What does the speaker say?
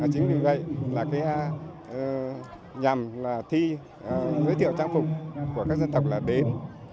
chính vì vậy là cái nhằm thi giới thiệu trang phục của các dân tộc là đến